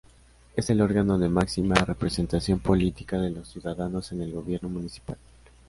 Es el órgano de máxima representación política de los ciudadanos en el gobierno municipal.